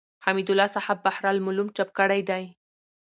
حمدالله صحاف بحر الملوم چاپ کړی دﺉ.